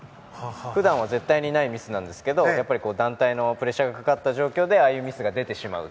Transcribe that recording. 普段は絶対にないミスなんですけどやっぱり、団体のプレッシャーがかかった状況でああいうミスが出てしまう。